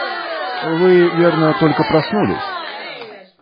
Вы, верно, только проснулись.